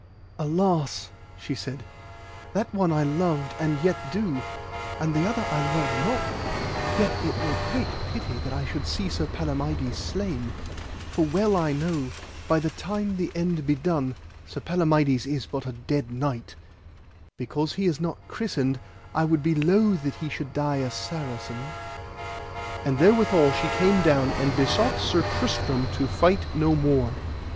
Alas, she said, that one I loved and yet do, and the other I love not, yet it were great pity that I should see Sir Palamides slain; for well I know by that time the end be done Sir Palamides is but a dead knight: because he is not christened I would be loath that he should die a Saracen. And therewithal she came down and besought Sir Tristram to fight no more.